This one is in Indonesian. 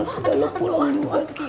kita udah pulang jauh ke